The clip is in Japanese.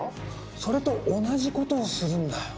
それと同じことをするんだよ。